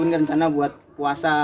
dan rencana buat puasa